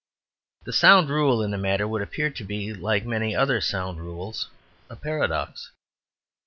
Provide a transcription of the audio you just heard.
The sound rule in the matter would appear to be like many other sound rules a paradox.